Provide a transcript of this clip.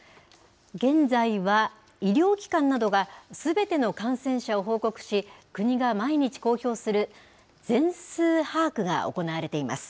現在は、医療機関などがすべての感染者を報告し、国が毎日公表する、全数把握が行われています。